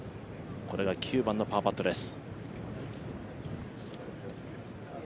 これが９番のパーパットです。